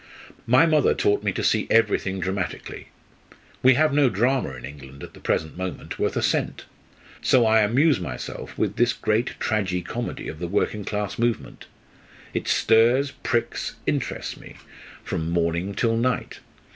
My mother taught me to see everything dramatically. We have no drama in England at the present moment worth a cent; so I amuse myself with this great tragi comedy of the working class movement. It stirs, pricks, interests me, from morning till night.